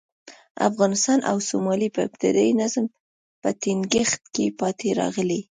افغانستان او سومالیا په ابتدايي نظم په ټینګښت کې پاتې راغلي.